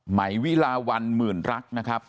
ไหมวิลาวันหมื่นรักนะครับ